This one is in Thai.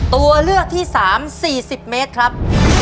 ตัวเลือกที่๓๔๐เมตรครับ